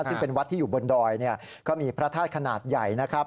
ซึ่งเป็นวัดที่อยู่บนดอยก็มีพระธาตุขนาดใหญ่นะครับ